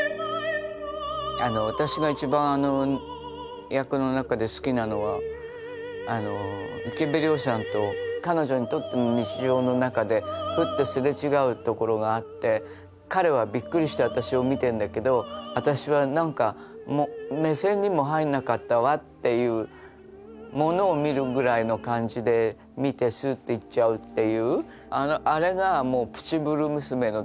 私が一番あの役の中で好きなのは池部良さんと彼女にとっての日常の中でふっとすれ違うところがあって彼はびっくりして私を見てんだけど私は何かもう目線にも入んなかったわっていうものを見るぐらいの感じで見てスッて行っちゃうっていう。